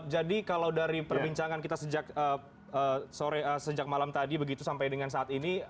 jadi kalau dari perbincangan kita sejak malam tadi begitu sampai dengan saat ini